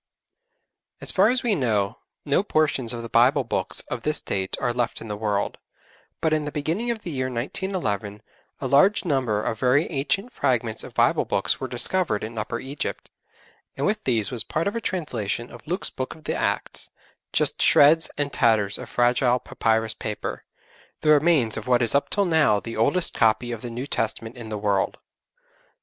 As far as we know no portions of the Bible books of this date are left in the world, but in the beginning of the year 1911 a large number of very ancient fragments of Bible books were discovered in Upper Egypt, and with these was part of a translation of Luke's Book of the Acts just shreds and tatters of fragile papyrus paper, the remains of what is up till now the oldest copy of the New Testament in the world.